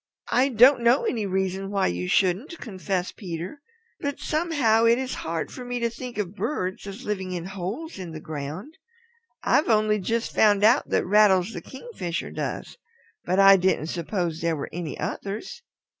"I don't know any reason why you shouldn't," confessed Peter. "But somehow it is hard for me to think of birds as living in holes in the ground. I've only just found out that Rattles the Kingfisher does. But I didn't suppose there were any others.